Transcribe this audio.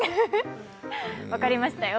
分かりましたよ。